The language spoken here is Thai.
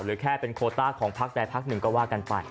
หรือแค่เป็นโคตาร์ของพรรคในพรรคหนึ่งก็ว่ากันไป